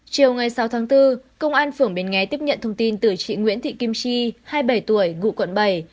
chiều ngày sáu tháng bốn công an phường bến nghé tiếp nhận thông tin từ chị nguyễn thị kim chi hai mươi bảy tuổi ngụ quận bảy